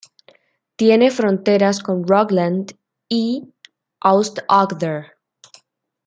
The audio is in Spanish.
Tiene fronteras con Rogaland y Aust-Agder.